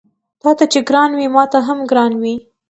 تاته چې ګران وي ماته هم ګران وي